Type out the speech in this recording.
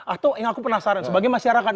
atau yang aku penasaran sebagai masyarakat